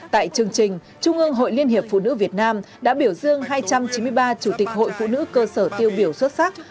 tại chương trình trung ương hội liên hiệp phụ nữ việt nam đã biểu dương hai trăm chín mươi ba chủ tịch hội phụ nữ cơ sở tiêu biểu xuất sắc